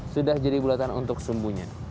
sudah jadi bulatan untuk sembunyi